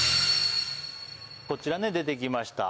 こちら出てきました